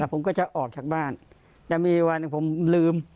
แล้วผมก็จะออกชากบ้านแต่มีวันผมลืม